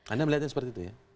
anda melihatnya seperti itu ya